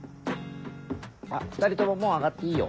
２人とももう上がっていいよ。